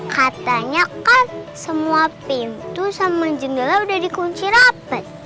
katanya kan semua pintu sama jendela udah dikunci rapat